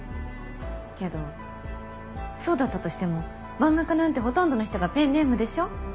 けどそうだったとしても漫画家なんてほとんどの人がペンネームでしょ。